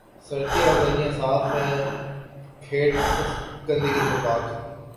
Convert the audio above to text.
سڑکیں اورگلیاں صاف ہیں، کھیت اس گندگی سے پاک۔